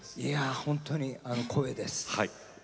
本当に光栄です。